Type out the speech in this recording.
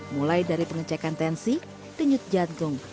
mulai dari pengecekan tensi tenyut jantung